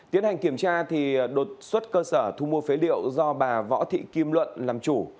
tiến hành kiểm tra đột xuất cơ sở thu mua phế liệu do bà võ thị kim luận làm chủ